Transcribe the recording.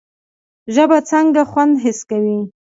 ژبه څنګه خوند حس کوي؟